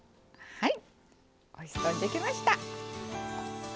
はい。